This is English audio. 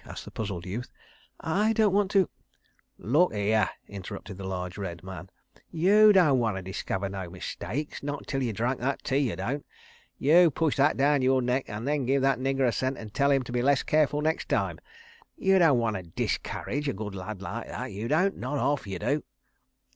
asked the puzzled youth. "I don't want to ..." "Lookere," interrupted the large red man, "you don' wanter discover no mistakes, not until you drunk that tea, you don't. ... You push that daown yore neck and then give that nigger a cent an' tell 'im to be less careful nex' time. You don' wanter _dis_courage a good lad like that, you don't. Not 'arf, you do."